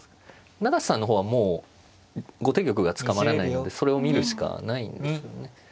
永瀬さんの方はもう後手玉が捕まらないのでそれを見るしかないんですよね。